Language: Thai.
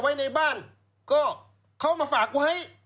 ไว้ในบ้านก็เขามาฝากไว้